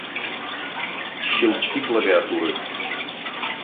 Щелчки клавиатуры